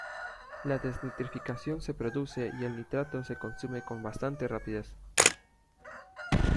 La desnitrificación se produce y el nitrato se consume con bastante rapidez.